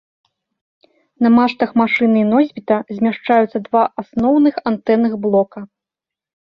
На мачтах машыны-носьбіта змяшчаюцца два асноўных антэнных блока.